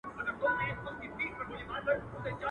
وزير که منډ که، خپله کونه به بربنډ که.